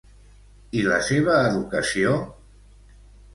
I la seva educació?